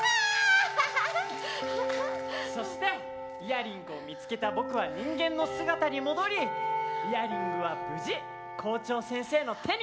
そしてイヤリングを見つけた僕は人間の姿に戻りイヤリングは無事校長先生の手に。